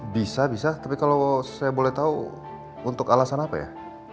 bisa bisa tapi kalau saya boleh tahu untuk alasan apa ya